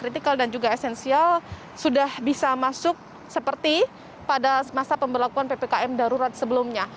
kritikal dan juga esensial sudah bisa masuk seperti pada masa pemberlakuan ppkm darurat sebelumnya